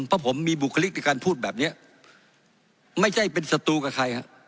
เพราะผมมีบุคลิกในการพูดแบบนี้ไม่ใช่เป็นศัตรูกับใครฮะ